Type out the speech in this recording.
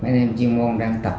mấy em chuyên môn đang tập